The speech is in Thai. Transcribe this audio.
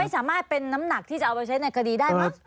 สามารถเป็นน้ำหนักที่จะเอาไปใช้ในคดีได้มั้ง